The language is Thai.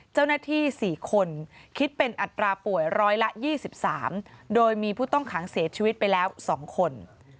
เจ้าหน้าที่๔คนคิดเป็นอัตราป่วยร้อยละ๒๓โดยมีผู้ต้องขังเสียชีวิตไปแล้ว๒คน